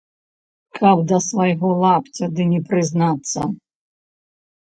Каб да свайго лапця ды не прызнацца!